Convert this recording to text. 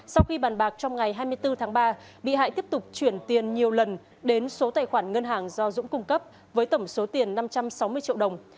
sau khi bàn bạc trong ngày hai mươi bốn tháng ba bị hại tiếp tục chuyển tiền nhiều lần đến số tài khoản ngân hàng do dũng cung cấp với tổng số tiền năm trăm sáu mươi triệu đồng